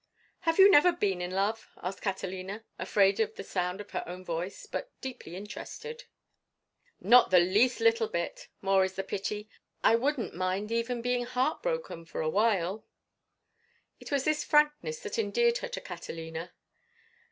"Have you never been in love?" asked Catalina, afraid of the sound of her own voice but deeply interested. "Not the least little bit, more is the pity. I wouldn't mind even being heart broken for a while." It was this frankness that endeared her to Catalina.